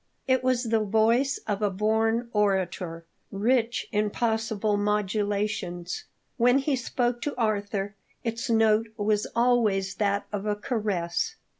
It was the voice of a born orator, rich in possible modulations. When he spoke to Arthur its note was always that of a caress.